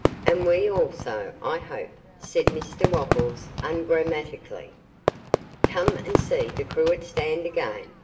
'And we also, I hope,' said Mr Wopples, ungrammatically. 'Come and see "The Cruet Stand" again.